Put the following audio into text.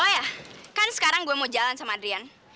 oh iya kan sekarang gue mau jalan sama adrian